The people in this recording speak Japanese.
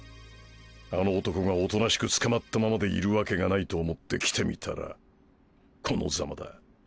あの男がおとなしく捕まったままでいるわけがないと思って来てみたらこのざまだ。